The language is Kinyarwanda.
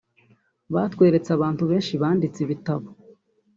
batweretse abantu benshi banditse ibitabo